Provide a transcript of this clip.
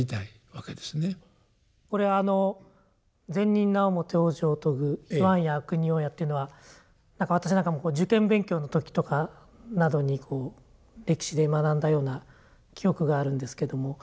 これあの「善人なをもて往生をとぐいはんや悪人をや」というのは私なんかも受験勉強の時とかなどに歴史で学んだような記憶があるんですけども。